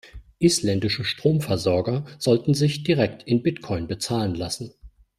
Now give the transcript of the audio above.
Isländische Stromversorger sollten sich direkt in Bitcoin bezahlen lassen.